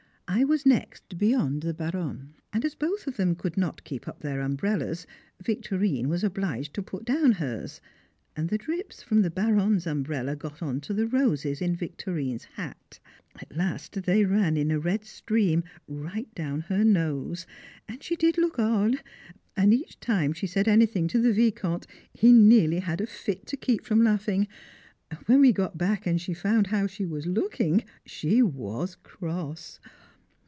I was next, beyond the Baronne, and as both of them could not keep up their umbrellas, Victorine was obliged to put down hers, and the drips from the Baronne's umbrella got on to the roses in Victorine's hat. At last they ran in a red stream right down her nose, and she did look odd, and each time she said anything to the Vicomte, he nearly had a fit to keep from laughing, and when we got back and she found how she was looking she was cross.